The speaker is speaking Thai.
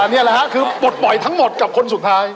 นี่แหละฮะคือปลดปล่อยทั้งหมดกับคนสุดท้าย